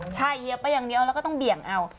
ใช่เอาไปอย่างนี้แล้วก็ต้องเบี่ยงเอา